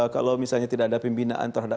kalau misalnya tidak ada pembinaan terhadap